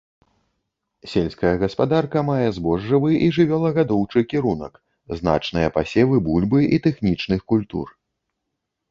Сельская гаспадарка мае збожжавы і жывёлагадоўчы кірунак, значныя пасевы бульбы і тэхнічных культур.